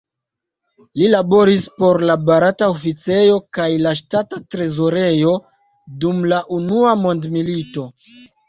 Li laboris por la Barata Oficejo kaj la Ŝtata Trezorejo dum la Unua Mondmilito.